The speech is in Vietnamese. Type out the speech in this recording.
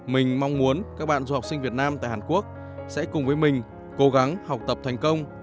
mình mong muốn các bạn du học sinh việt nam tại hàn quốc sẽ cùng với mình cố gắng học tập thành công